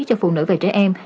cho phụ nữ và trẻ em